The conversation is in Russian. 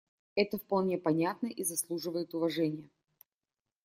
Это вполне понятно и заслуживает уважения.